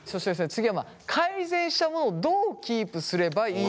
次は改善したものをどうキープすればいいのかという。